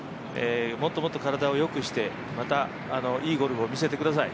もっともっと体をよくして、またいいゴルフを見せてください。